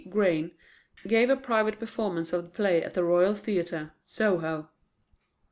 Grein, gave a private performance of the play at the Royalty Theatre, Soho.